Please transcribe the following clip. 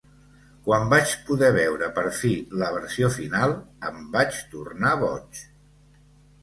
"Quan vaig poder veure per fi la versió final, em vaig tornar boig."